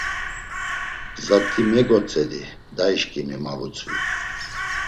Zat̆i megotzedi dayişǩimi, ma vutzvi.